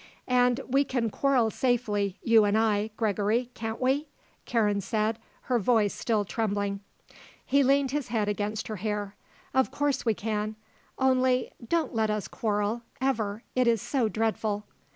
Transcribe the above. "And we can quarrel safely you and I, Gregory, can't we?" Karen said, her voice still trembling. He leaned his head against her hair. "Of course we can. Only don't let us quarrel ever. It is so dreadful."